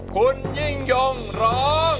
คุณยิ่งยงร้อง